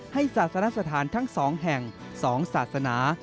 ให้ศาสนสถานทั้งสองแห่งสองศาสนา